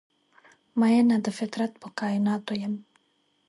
میینه د فطرت په کائیناتو یم